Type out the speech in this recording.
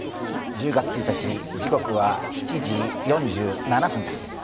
１０月１日、時刻は７時４７分です。